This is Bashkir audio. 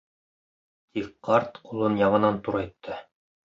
Тик ҡарт ҡулын яңынан турайтты.